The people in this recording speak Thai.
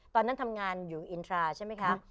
ตอนนั้นทำงานอยู่อินทราใช่ไหมคะ